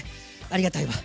ありがたいわ。